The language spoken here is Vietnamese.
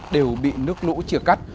đều bị nước lũ chia cắt